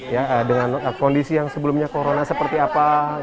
ya dengan kondisi yang sebelumnya corona seperti apa